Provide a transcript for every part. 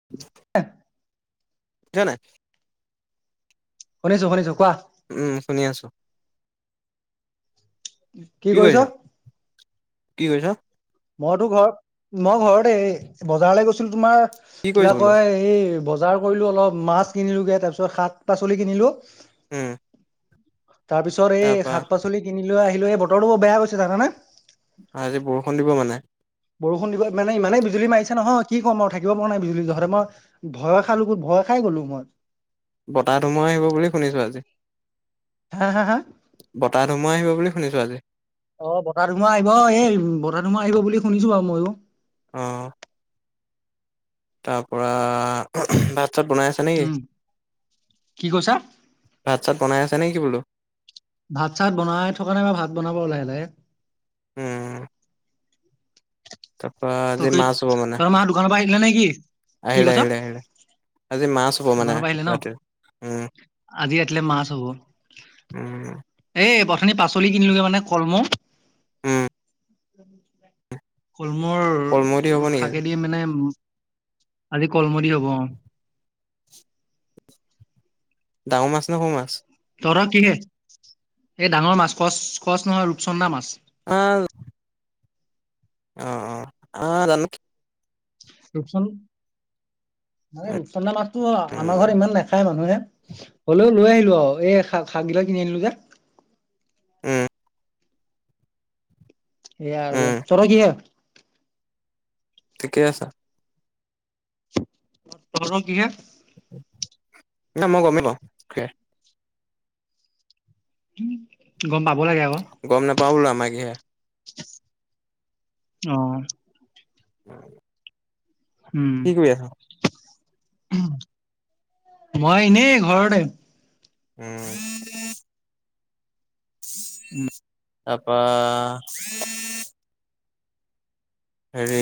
[inaudible] শুনিছ নাই? শুনিছো শুনিছো, কোৱা? উম শুনি আছো। কি কৰিছ? কি কৰিছ? মইতো ঘৰ মই ঘৰতে, বজাৰলৈ গৈছিলো তোমাৰ কি কৰিছ কিবা বোলো? কয় এই বজাৰ কৰিলো অলপ মাছ কিনিলোগে তাৰ পিছত শাক - পাচলি কিনিলো। উম। তাৰপিছত এই তাৰপা শাক - পাচলি কিনি লৈ আহিলে এই বতৰটো বেয়া হৈছে জানানে? আজি বৰষুণ দিব মানে? বৰষুণ দিব মানে ইমানেই বিজুলী মাৰিছে নহয় কি কম আৰু থাকিব পৰা নাই বিজুলী যহতে মই ভয় খালো মই ভয় খাই গলো মই। বতাহ ধুমূ্হা আহিব বুলি শুনিছোঁ আজি। হা হা হা! বতাহ ধুমুহা আহিব বুলি শুনিছোঁ আজি। অ বতাহ ধুমুহা আহিব, এই বতাহ ধুমুহা আহিব বুলি শুনিছোঁ আৰু মইয়ো। অ। তাৰ পৰা [unintelligible] ভাত চাত বনাই আছে নেকি? উম কি কৈছা ভাত - চাত বনাই আছে নেকি বোলো? ভাত চাত বনাই থকা নাই মই ভাত বনাব লাহে লাহে। উম। তাৰপা [unintelligible] আজি তোৰ মাছ হ'ব মানে। মা দোকানৰ পৰা আহিলে নেকি? কি আহিলে কৈছ? আহিলে আহিলে। আজি মাছ হ'ব মানে দোকানৰ পৰা আহিলে ন? ৰাতিৰ। আজি ৰাতিলে মাছ হব। উম, এই বথনি পাচলি কিনিলোগে মানে কলমৌ। উম। [inaudible] কলমৌৰ কলমৌ দি হ'ব নেকি আজি? শাকেদি মানে ম আজি কলমৌ দি হব অ। ডাঙৰ মাছ নে সৰু মাছ? তহতৰ কিহে? এই ডাঙৰ মাছ কচ কচ নহয় ৰূপচন্দা মাছ। আ অ অ, আ জানো ৰূপচন আৰে ৰূপচন্দা মাছ। অ উম, আমাৰ ঘৰত ইমান নাখায় মানুহে হ'লেও লৈ আহিলো আৰু এই শাক - শাকবিলাক কিনি আনিলো যে। উম। সেয়া আৰু উম, তহঁতৰ কিহে? ঠিকে আছা অ তহঁতৰ কিহে না মই গম নাপাওঁ গম পাব লাগে আক গম নাপাওঁ বোলো আমাৰ কিহে অ [inaudible] উম কি কৰি আছ মই এনেই ঘৰতে উম [unintelligible] উম তাৰ পা [unintelligible] হেৰি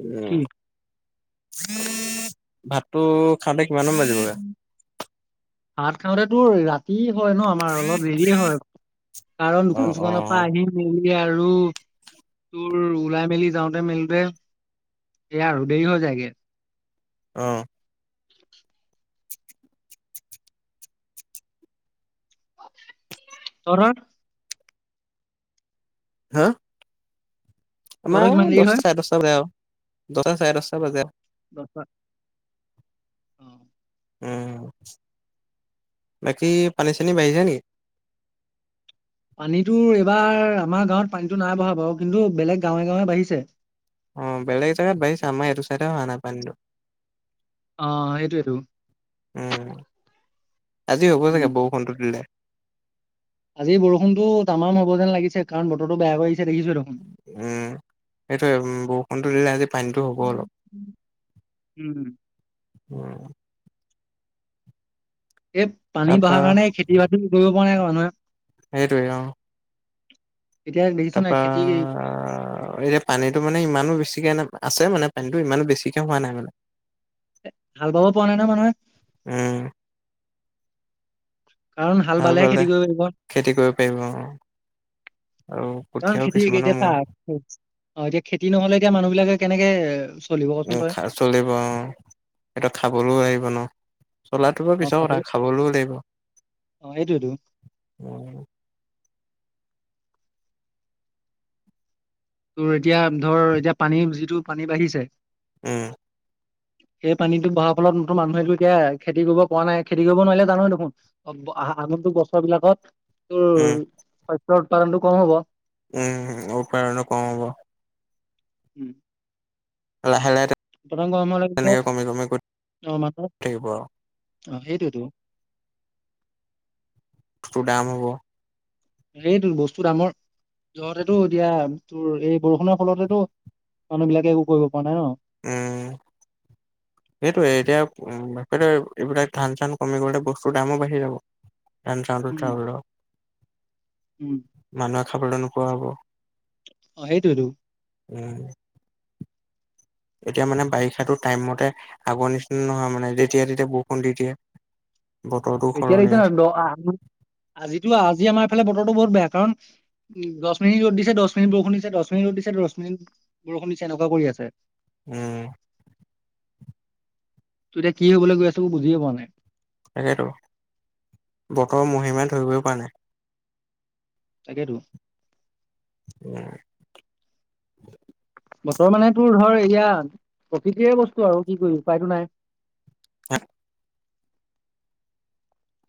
উ কি? ভাতটো খাওঁতে কিমান মান বাজিব ভাত খাওঁতেতো ৰাতি হয় ন আম আমাৰ অলপ দেৰি হয় কাৰণ অ দোকান অ চোকানৰ পা আহি মেলি আৰু তোৰ ওলাই মেলি যাওঁতে মেলোতে এয়া আৰু দেৰি হৈ যায়গে অ তহতৰ হা তহঁতৰ আমাৰ কিমান দেৰি দছ হয় চাই দছ বাজে আউ দহটা চাই দছটা বাজে আউ দহটা অ উ বাকী পানী চানী বাঢ়িছে নেকি পানীতোৰ এইবাৰ আমাৰ গাঁৱত পানীতো নাই বঢ়া বাৰু কিন্তু বেলেগ গাঁৱে গাঁৱে বাঢ়িছে অ বেলেগ জেগাত বাঢ়িছে আমাৰ এইটো চাইদে হোৱা নাই পাণীটো অ সেইটোয়েতো উম আজি হ'ব উম চাগে বৰষুণটো দিলে আজি বৰষুণতো তামাম হব যেন লাগিছে কাৰণ বতৰটো বেয়া কৰি আহিছে দেখিছো টো উম সেইটোৱে বউষুণটো দিলে আজি পানীটো হ'ব অলপ উম উম এইত পাণী তাৰপা বঢ়াৰ কাৰণে খেতি বাতি কৰিব পৰা নাই মানুহে সেটোৱে অ এতিয়া দেখিছ নাই তাৰপা খেতি এপ পাণীটো মানে ইমানো বেছিকে না আছে মানে পাণীটো ইমানো বেছিকে হোৱা নাই মানে এ হাল বাব পোৱা নাই নহয় মানুহে উম কাৰণ হাল বালেহে খেতি কৰিব পাৰিব খেতি কৰিব পাৰিব অ, আৰু কাৰণ কঠীয়াও খেতি এ কিছুমানৰ গেতিয়া চা মোৰ হো অ এতিয়া খেতি নহলে এতিয়া মানুহ বিলাকে কেনেকে চলিব কচোন উ তই খা চলিব অ হেঁতক খাবলও লাগিব ন চলাটো বাৰু অ পিছৰ খাব কথা খাবলও লাগিব অ এইটোয়েতো উ তোৰ এতিয়া ধৰ এতিয়া পানী যিটো পাণী বাঢ়িছে উ সেই পানীটো বহাৰ ফলত তো মানুহেটো এতিয়া খেতি কৰিব পৰা নাই, খেতি কৰিব নোৱাৰিলে জানই দেখোন! অ, আগন্তুক বছৰ বিলাকত তোৰ উম, শস্যৰ উৎপাদনটো কম হ'ব। উম, হুম, উৎপাদনো কম হ'ব। উম। লাহে-লাহে এতিয়া থাকিব আৰু [unintelligible] টোৰ দাম হ'ব। এইটো বস্তু দামৰ তহতেতো এতিয়া, তোৰ এই বৰষুণৰ ফলতেতো মানুহ বিলাকে একো কৰিব পৰা নাই ন! উম। সেইটোয়ে, এতিয়া উম এইবিলাক ধান-চান কমি গ'লে, বস্তুৰ দামো বাঢ়ি যাব। উম উম [unintelligible] মানুহে খাবলৈ নোপোৱা হ'ব। অ, সেইটোৱেটো। উম। এতিয়া মানে বাৰিষাটো টাইম মতে আগৰ নিচিনা নহয়, মানে যেতিয়া-তেতিয়া বৰষুণ দি দিয়ে। বতৰটো এতিয়া সলনি হৈছে দেখিছনে [unintelligible] আজিটো আজি আমাৰ এইফালে বতৰটো বহুত বেয়া। কাৰণ উম, দহ মিনিট ৰ'দ দিছে, দহ মিনিট বৰষুণ দিছে, দহ মিনিট ৰ'দ দিছে, দহ বৰষুণ দিছে, এনেকুৱা কৰি আছে। উম। তোৰ এতিয়া কি হ'বলৈ গৈ আছে, বুজিয়ে পোৱা নাই? তাকেতো, বতৰৰ মহিমাই ধৰিবই পৰা নাই। তাকেইতো। উম। বতৰ মানে তোৰ ধৰ এইয়া, প্ৰকৃতিৰে বস্তু আৰু, কি কৰিবি উপায়তো নাই। [unintelligible]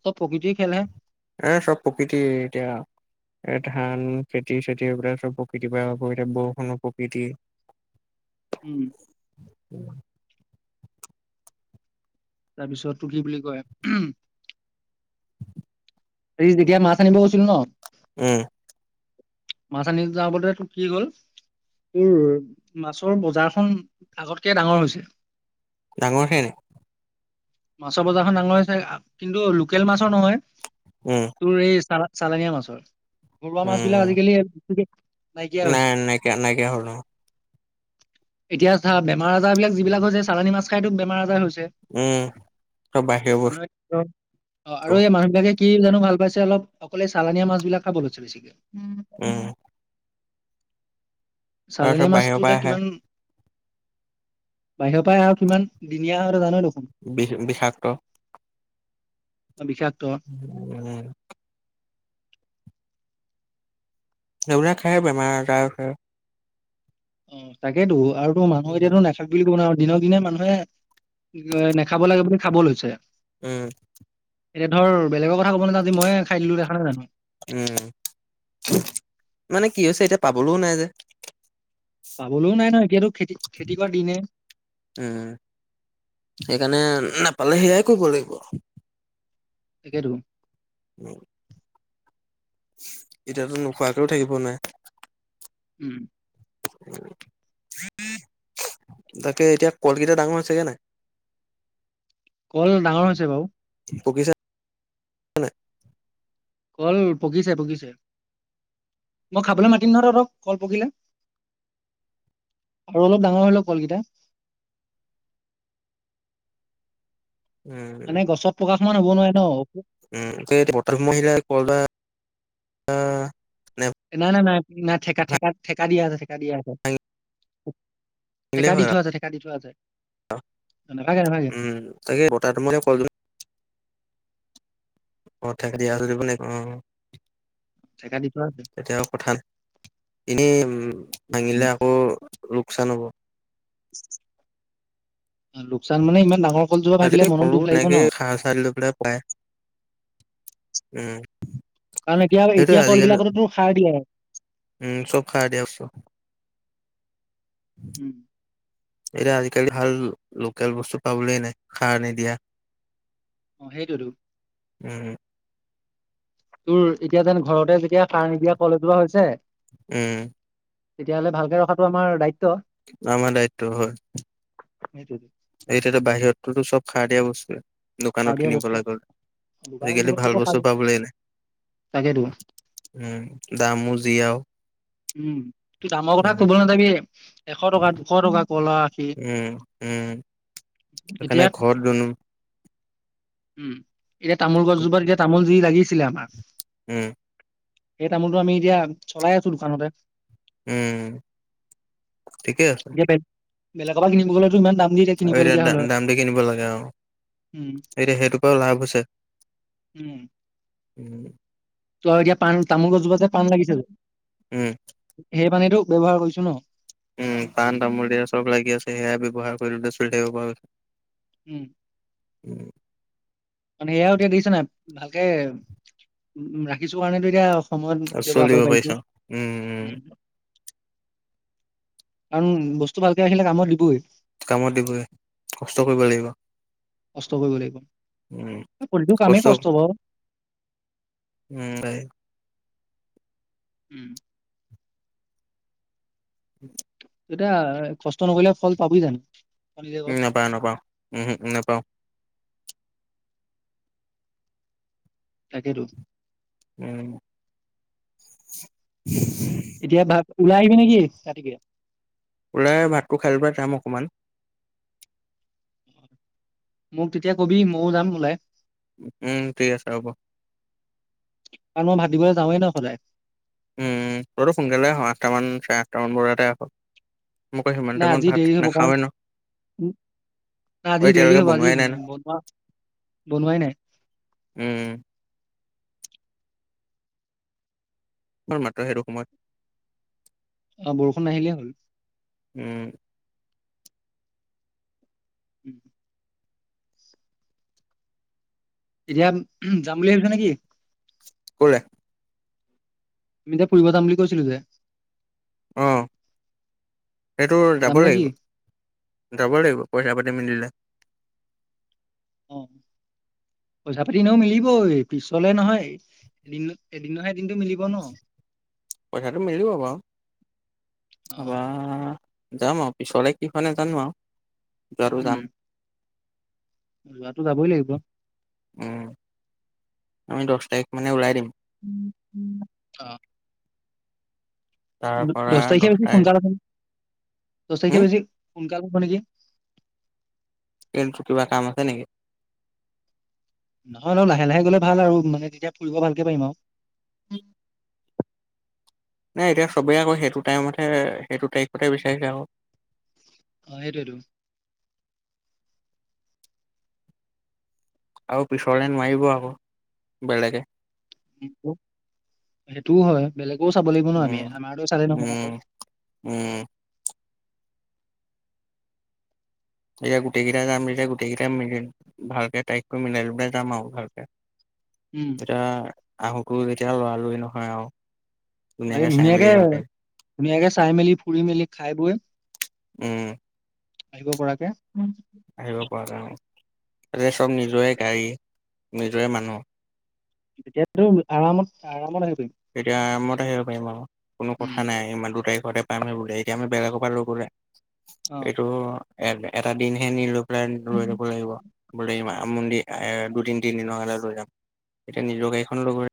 চব প্ৰকৃতিৰ খেলহে। এ, চব প্ৰকৃতিৰ এতিয়া এই ধান, খেতি-চেতি এইবিলাক চব প্ৰকৃতিৰ পৰা হোৱা, এতিয়া বৰষুণো প্ৰকৃতি। [inaudible] উম। [unintelligible] তাৰ পিছত তোৰ কি বুলি কয়। [unintelligible] যেতিয়া মাছ আনিব গৈছিলো ন উম। মাছ আনিব যাওঁ বলৈ তোৰ কি গ'ল? তোৰ মাছৰ বজাৰখন আগতকে ডাঙৰ হৈছে। ডাঙৰ হে নে। মাছৰ বজাৰখন ডাঙৰ হৈছে, কিন্তু লোকেল মাছৰ নহয়। উম। তোৰ এই চাল চালনীয়া মাছৰ। ঘৰুৱা মাছ বিলাক উম। আজিকালি [unintelligible] নাইকিয়া নাই হৈছে। নাইকিয়া নাইকিয়া হ'ল [inaudible] এতিয়া চা, বেমাৰ-আজাৰ বিলাক যিবিলাক হৈছে চালানী মাছ খাইতো বেমাৰ-আজাৰ হৈছে? উম। চব বাহিৰৰ মানুহে বস্তু কি কয় অ, আৰু এই মানুহ বিলাকে কি জানো ভাল পাইছে অলপ, অকল চালানীয়া মাছ বিলাক খাবলৈ লৈছে বেছিকে। উম, চালনীয়া তাৰপিছত বাহিৰৰ মাছটো যে পৰা আহে কিমান বাহিৰৰ পৰাই অহা আৰু কিমান দিনীয়া হয় তহ'তে জান দেখোন। বি বিষাক্ত। বিষাক্ত। উম, সেইবিলাক খাই বেমাৰ আজাৰ হৈছে। উম, তাকেতো আৰু তো মানুহে এতিয়াতো নাখা বুলি ক'ব নোৱাৰে, আৰু দিনক দিনে মানুহে এ নাখাব লাগে বুলি খাব লৈছে। উম, এতিয়া ধৰ বেগৰ কথা কব নাযাও, আজি মইয়ে খাই দিলো দেখানাই জানো? উম, মানে কি হৈছে এতিয়া পাবলৈও নাই যে? পাবলৈও নাই নহয়, এতিয়াতো খেতি, খেতি কৰা দিনে? উম, সেইকাৰণে নাপালে সেয়াই কৰিব লাগিব আৰু। তাকেইতো। উম, এতিয়াতো নোখোৱাকেও থাকিব নোৱাৰে? উম, উম, [unintelligible] তাকে এতিয়া কলকেইটা ডাঙৰ হৈছেগে নাই? কল ডাঙৰ হৈছে বাৰু। পকিছে? কল পকিছে, পকিছে। মই খাবলৈ মাতিম নহয় তহঁতক কল পকিলে। আৰু অলপ ডাঙৰ হৈ লওক কলকেইটা। উম মানে গছত প্ৰকাশ মান হ'ব নোৱাৰে ন। তে [unintelligible] মহিলা কলদা নাই, নাই, নাই, নাই কা ঠেকা দিয়া আছে, ঠেকা দিয়া আছে। ভাঙিলে ঠেকা দি হয় থোৱা আৰু আছে, ঠেকা দি থোৱা আছে। নাভাগে নাভাগে উম তাকে কথাটো মই ক অ' থাকে দিয়া [unintelligible] নে অ' ঠেকা দি থোৱা আছে তেতিয়া আৰু কথা ন এনেই উম, উম, ভাঙিলে আকৌ লোকচান হ'ব। লোকচান মানে ইমান ডাঙৰ কলজোপা ভাগিলে আগতে মনত কৰো দুখ লাগিব এনেকে ন খাৰ সাৰ দি পেলাই পকাই উম, কাৰণ এতিয়া, সেইটোয়ে এতিয়া কল আজিকালি বিলাকতো সাৰ দিয়ে। উম, চব খাৰ দিয়া বস্তু। উম, এতিয়া আজিকালি ভাল লোকেল বস্তু পাবলৈ নাই সাৰ নিদিয়া। [inaudible] অ' সেইটোৱেইতো। উম, তোৰ এতিয়া যেন ঘৰতে যেতিয়া খাৰ নিদিয়া কলে যোৱা হৈছে। উম, তেতিয়াহ'লে ভালকে ৰখাটো আমাৰ দায়িত্ব। আমাৰ দায়িত্ব হয় সেইটোৱেটো এতিয়া তো বাহিৰতোতো চব খাৰ দিয়া বস্তুৱেই। সাৰ দোকানত দিয়া বস্তু কিনিবলৈ গ'ল দোকানত আজিকালি কিনিব ভাল গ'লেও সাৰ বস্তু দিয়ে পাবলৈ নাই। তাকেতো উম দামো যি আৰু। উম। দামৰ কথা উম, কবলৈ নাযাবি এশ টকা দুশ টকা কলা আখি। উম উম। এতিয়া সেইটাকাৰণে ঘৰত ৰুই দিওঁ। উম এতিয়া তামোল গছজোপাত এতিয়া তামোল যি লাগিছিলে আমাৰ উম। সেই তামোলটো আমি এতিয়া চলাই আছো দোকানতে। উম ঠিকে আছে এতিয়া বেলেগৰ পৰা কিনিব গ'লেতো ইমান দাম। দি এতিয়া আৰু কিনিবলগীয়া এতিয়া হ'ল হয়। দামটো কিনিব লাগে আৰু উম, এতিয়া সেইটো পৰাও লাভ হৈছে। উম। উম। তই এতিয়া পাণ তামোল গছজোপা যে পণ লাগিছিল উম। সেই পাণতোত ব্যৱহাৰ কৰিছো ন। উম পাণ তামোল দিয়ে চব লাগি আছে সেয়া ব্যৱহাৰ কৰিতে চলি থাকিব পৰা গৈছে। উম। উম মানে এয়াও এতিয়া দিছোঁ নাই ভালকে ৰাখিছো এতিয়া। সময় আৰু ব্যৱহাৰ চলিব কৰিব পাৰিছা পাৰিছোঁ। উম, উম কাৰণ বস্তু ভালকে ৰাখিলে কামত দিবই। কামত দিবই কষ্ট কৰিব লাগিব। কষ্ট কৰিব লাগিব উম, প্ৰতিটো কামেই কষ্ট বাৰু। উম। উম। [inaudible] এতিয়া কষ্ট নকৰিলে ফল পাবি জানো। তই নিজে ক উম নাপাওঁ নাপাওঁ উমম উম নাপাওঁ। তাকেই টো। উম। [unintelligible] এতিয়া ভাত ওলাই আহিবি নেকি ৰাতি কেই। ওলাই আহিম ভাতটো খাই পৰাঈ যাম অকণমান। মোক তেতিয়া কবি মইয়ো যাম ওলাই। উম ঠিক আছে হ'ব। কাৰণ মই ভাতিবলৈ যাওঁৱেই ন সদায়। উম তইতো সোনকালে আহ আঠটামান চাৰে আঠটামান মানতে আহ। মোক সিমান নাই টাইমত আজি ভাত দেৰি হ'ব নাখাওঁ ন। না অ, আজি দেৰি এতিয়ালৈকে হ'ব আজি বনোৱাই নাই ন বনোৱা বনোৱাই নাই। ওম। মাত্ৰ সেইটো সময়ত। অ বৰষুণ নাহিলেই হ'ল। উম। উম। এতিয়া যাম বুলি ভাবিছা নেকি? ক'লে। আমি যে ফুৰিব যাম বুলি কৈছিলো যে। অ' সেইটো যাম যাবই লাগিব। নেকি যাব লাগিব পইচা পাতি মিলিলে। অ [unintelligible] পইচা পাতি এনেও মিলিবই, এই পিছলে নহয় এদিনত নহয় এদিনটো মিলিব ন? পইচাটো মিলিব বাৰু, অ তাৰপা আহ যাম আৰু, পিছলে কি হয় নাজানো আৰু, যোৱাতো উম যাম। যোৱাটো যাবই লাগিব। উম, আমি দহ তাৰিখ মানে ওলাই দিম। অ'। তাৰ পৰা দহ তাৰিখে বেছি তাৰিখ সোনকাল হ'ব নেকি? দহ তাৰিখে হম, বেছি সোনকাল হ'ব নেকি? এইটো তোৰ কিবা কাম আছে নেকি? নহয়, নহয় লাহে লাহে গ'লে ভাল আৰু মানে তেতিয়া ফুৰিব ভালকে পাৰিম আৰু। নাই এতিয়া চবেই আকৌ সেইটো টাইমতহে সেইটো তাৰিখতে বিচাৰিছে আকৌ। অ' সেইটোৱেই টো। আৰু পিছলে নোৱাৰিব আকৌ বেলেগে। সেইটোও হয় বেলেগেও চাব লাগিব ন, আমি উম আমাৰটো চালে নহ'ব নাহয়। উম উম। এতিয়া গোটেই কেইটা যাম যেতিয়া গোটেই কেইটা মিলিম। ভালকে তাৰিখটো মিলাই লৈ পেলাই যাম আৰু ভালকে। উম। এতিয়া আহুকোৰা যেতিয়া লৰালৰি নহয় আৰু। তাকে ধুনীয়াকে চাই ধুনীয়াক মেলি আহিব পাৰিম ধুনীয়াকে চাই মেলি ফুৰি মেলি খাই বৈ উম আহিব পৰাকে। আহিব পৰা কাৰণত। এইয়া চব নিজৰে গাড়ী, নিজৰে মানুহ এতিয়াটো আৰামত আৰামত আহিবি। তেতিয়া আৰামত আহিব পাৰিম আৰু, কোনো কথা উম নাই ইমানটো তাৰিখতে টাইম লাগিব বোলে, এইটো আমি বেলেগৰ পৰাহে লৈ গ'লে, এইটো এটা দিন হে নিলো। প্লেনটো অ লৈ যাব লাগিব বোলে ইমা মন্দিৰ। এ দুদিন তিনদিনৰ কাৰনে লৈ যাম, এতিয়া নিজৰ গড়ীখন লৈ গ'লে